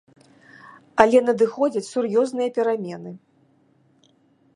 Але надыходзяць сур'ёзныя перамены.